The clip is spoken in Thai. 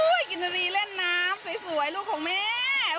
อุ้ยกินณรีเล่นน้ำสวยสวยลูกของแม่อุ้ย